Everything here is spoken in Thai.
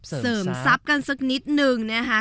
หรือเสริมซับกันสักนิดนึงนะฮะ